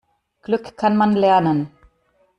Glück kann man lernen.